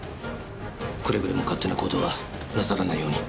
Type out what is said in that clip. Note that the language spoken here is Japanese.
くれぐれも勝手な行動はなさらないように。